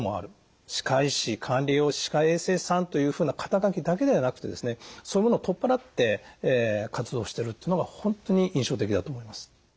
歯科医師管理栄養士歯科衛生士さんというふうな肩書きだけではなくてですねそういうものを取っ払って活動してるっていうのが本当に印象的だと思います。